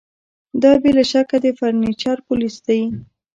دا بې له شکه د فرنیچر پولیس دي